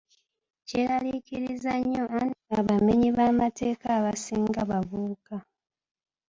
Kyeraliikiriza nnyo anti abamenyi b'amateeka abasinga bavubuka.